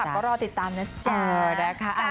แฟนคลับก็รอติดตามนะจ๊ะ